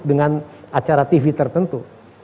dengan acara tv tertentu